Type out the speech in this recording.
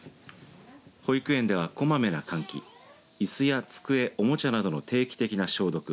保育園では、こまめな換気いすや机おもちゃなどの定期的な消毒。